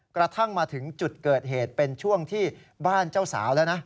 กระทั่งมาถึงจุดเกิดเหตุเป็นช่วงที่บ้านเจ้าสาวแล้วนะ